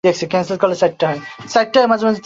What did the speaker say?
লাবণ্য সহজেই বললে, চলো।